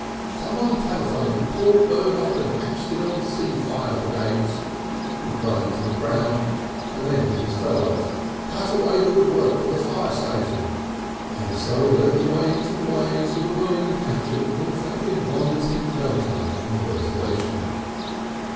"Someone telephone to the Port Burdock and Hampstead on Sea fire brigades," he cried to the crowd and then to his fellows: "Cut away the woodwork of the fire station!" and so led the way into the blaze with a whirling hatchet that effected wonders in no time in ventilation.